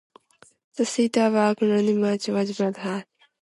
The seat of Akrotiri municipality was Pythari.